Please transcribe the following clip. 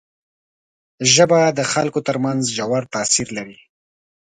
ژبه د خلکو تر منځ ژور تاثیر لري